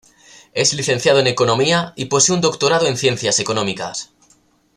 Es Licenciado en Economía y posee un doctorado en Ciencias Económicas.